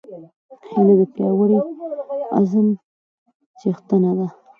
هیلۍ د پیاوړي عزم څښتنه ده